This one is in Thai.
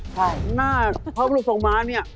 ใช่หน้าภารกฤษทรงม้านี่